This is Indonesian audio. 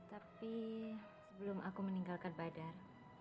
tapi belum aku meninggalkan badan